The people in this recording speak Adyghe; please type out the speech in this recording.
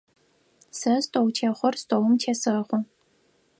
Сэ столтехъор столым тесэхъо.